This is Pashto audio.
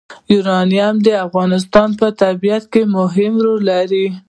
یورانیم د افغانستان په طبیعت کې مهم رول لري.